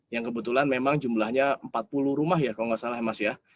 yang kebetulan memang jumlahnya empat puluh rumah ya kalau nggak salah ya mas ya